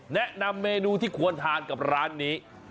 แนะนำเมนูที่ควรทานกับร้านนี้